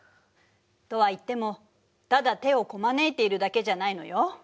とはいってもただ手をこまねいているだけじゃないのよ。